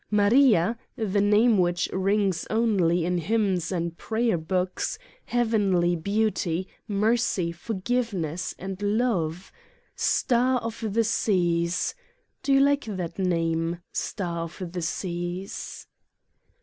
Maria, the name which rings only in hymns and prayer books, heavenly beauty, mercy, forgiveness and love ! Star of the Seas ! Do you like that name : Star of the Seas?